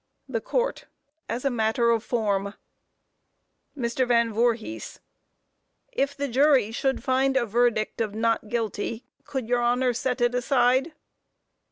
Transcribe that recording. THE COURT: As a matter of form. MR. VAN VOORHIS: If the jury should find a verdict of not guilty, could your Honor set it aside?